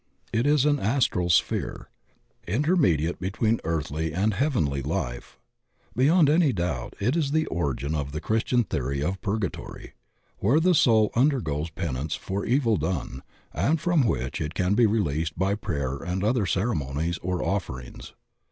It is an astral sphere intermediate between earthly and heavenly Ufe. Beyond any doubt it is the origin of the Christian theory of purgatory, where the soul im dergoes penance for evil done and from which it can be released by prayer and other ceremonies or offer ings.